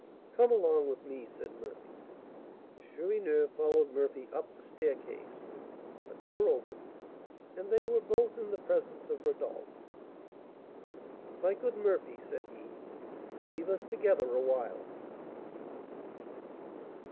"Come along with me," said Murphy. The Chourineur followed Murphy up the staircase; a door opened, and they were both in the presence of Rodolph. "My good Murphy," said he, "leave us together awhile."